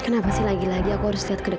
kenapa sih lagi lagi aku harus lihat kepadanya